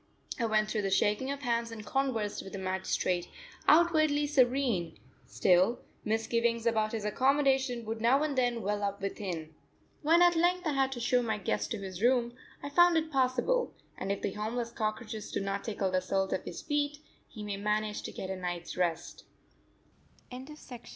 I went through the shaking of hands and conversed with the magistrate outwardly serene; still, misgivings about his accommodation would now and then well up within. When at length I had to show my guest to his room, I found it passable, and if the homeless cockroaches do not tickle the soles of his feet, he may manage to get a night's rest.